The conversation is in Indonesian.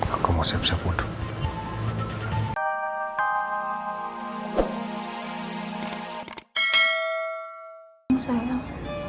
aku mau siap siap wudhu